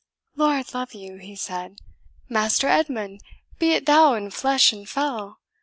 "Lord love you," he said, "Master Edmund, be it thou in flesh and fell?